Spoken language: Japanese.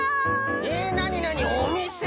えっなになにおみせ？